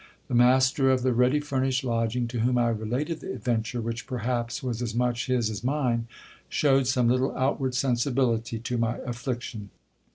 The master of the ready furnished lodging, to whom I related the adventure, which perhaps was as much his as mine, showed some little outward sensibility to my affliction.